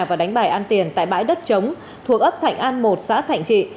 và đánh bài ăn tiền tại bãi đất trống thuộc ấp thành an một xã thành trị